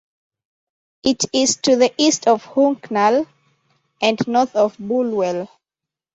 It is to the east of Hucknall and north of Bulwell.